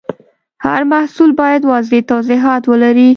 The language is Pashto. هر محصول باید واضح توضیحات ولري.